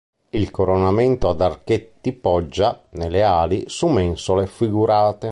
Il coronamento ad archetti poggia, nelle ali, su mensole figurate.